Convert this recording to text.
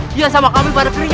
dia sama kami pada kering